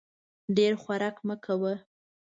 ډېر خوراک مه کوه !